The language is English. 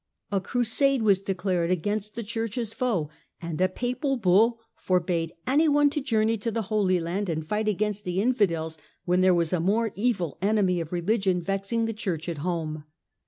A Crusade was declared against the Church's foe, and a Papal bull forbade anyone to journey to the Holy Land and fight against the Infidels when there was a more evil enemy of religion vexing the Church at home.